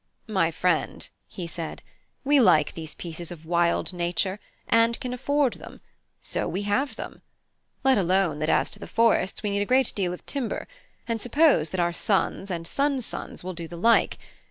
"My friend," he said, "we like these pieces of wild nature, and can afford them, so we have them; let alone that as to the forests, we need a great deal of timber, and suppose that our sons and sons' sons will do the like.